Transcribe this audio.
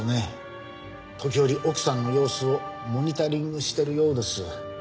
時折奥さんの様子をモニタリングしてるようです。